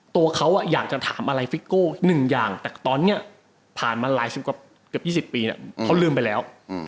ตัวเขาอยากจะถามอะไรฟิโกหนึ่งอย่างแต่ตอนเนี่ยผ่านมาลายกับ๒๐ปีเนี่ยเขาลืมไปแล้ว